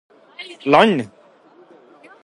land